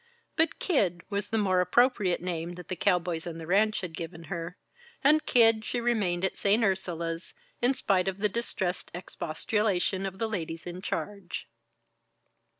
But "Kid" was the more appropriate name that the cowboys on the ranch had given her; and "Kid" she remained at St. Ursula's, in spite of the distressed expostulation of the ladies in charge.